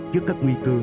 trước các nguy cơ